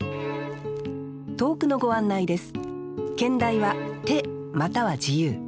投句のご案内です